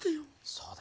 そうだ！